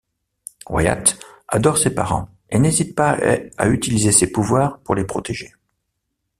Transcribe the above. Wyatt adore ses parents et n'hésite pas à utiliser ses pouvoirs pour les protéger.